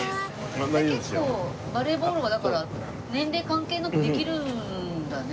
じゃあ結構バレーボールはだから年齢関係なくできるんだね。